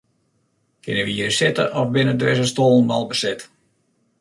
Kinne wy hjir sitte of binne dizze stuollen al beset?